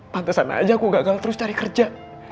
pantesan aja aku gagal terus cari kerja